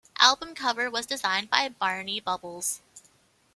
Album cover was designed by Barney Bubbles.